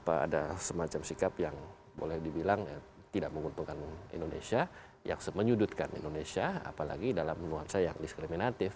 ada semacam sikap yang boleh dibilang tidak menguntungkan indonesia yang menyudutkan indonesia apalagi dalam nuansa yang diskriminatif